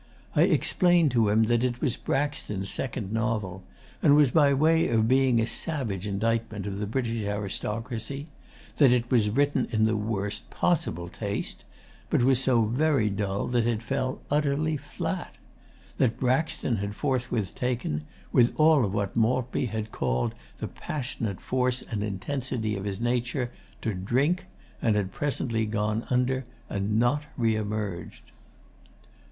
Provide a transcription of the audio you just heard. I explained to him that it was Braxton's second novel, and was by way of being a savage indictment of the British aristocracy; that it was written in the worst possible taste, but was so very dull that it fell utterly flat; that Braxton had forthwith taken, with all of what Maltby had called 'the passionate force and intensity of his nature,' to drink, and had presently gone under and not re emerged.